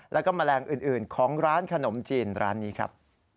แล้วก็แมลงอื่นของร้านขนมจีนร้านนี้ครับ